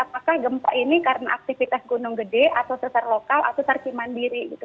apakah gempa ini karena aktivitas gunung gede atau sesar lokal atau sesar cimandiri gitu